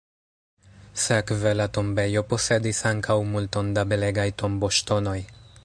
Sekve la tombejo posedis ankaŭ multon da belegaj tomboŝtonoj.